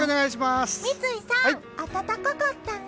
三井さん、暖かかったね。